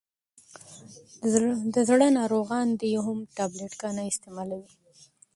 دزړه ناروغان دي هم ټابلیټ کا نه استعمالوي.